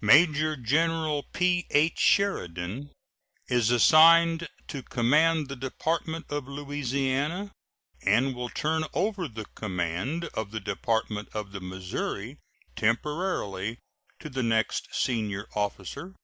Major General P.H. Sheridan is assigned to command the Department of Louisiana, and will turn over the command of the Department of the Missouri temporarily to the next senior officer.